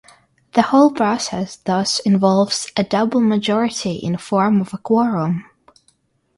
The whole process thus involves a double majority in form of a quorum.